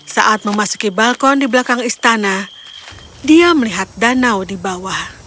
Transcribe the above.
saat memasuki balkon di belakang istana dia melihat danau di bawah